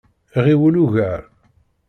Ɣiwel ugar!